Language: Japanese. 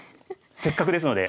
せっかくですので。